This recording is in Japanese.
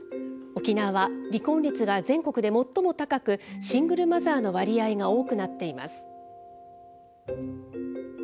沖縄は離婚率が全国で最も高く、シングルマザーの割合が多くなっています。